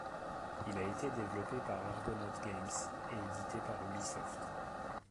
Il a été développé par Argonaut Games et édité par Ubisoft.